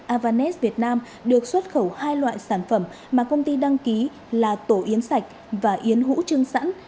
avanes việt nam được xuất khẩu hai loại sản phẩm mà công ty đăng ký là tổ yến sạch và yến hũ trưng sẵn